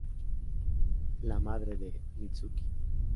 La madre de Mitsuki.